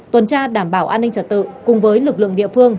tuần tra đảm bảo an ninh trật tự cùng với lực lượng địa phương